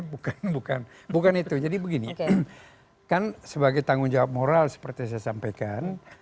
bukan bukan bukan itu jadi begini kan sebagai tanggung jawab moral seperti saya sampaikan